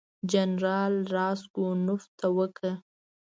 جنرال راسګونوف ته وکړه.